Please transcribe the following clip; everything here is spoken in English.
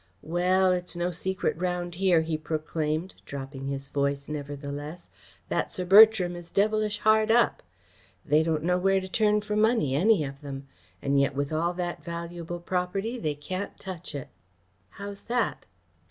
"Well, it's no secret round here," he proclaimed, dropping his voice nevertheless, "that Sir Bertram is devilish hard up. They don't know where to turn for money, any of them. And yet with all that valuable property they can't touch it." "How's that?"